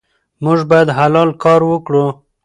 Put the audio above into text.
موږ باید حلال کار وکړو.